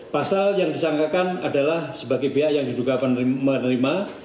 pasal yang disangkakan adalah sebagai pihak yang diduga menerima